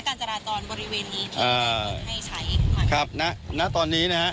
การจราจรบริเวณนี้เอ่อให้ใช้ครับนะณตอนนี้นะฮะ